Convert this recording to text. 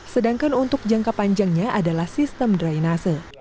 sedangkan untuk jangka panjangnya adalah sistem drainase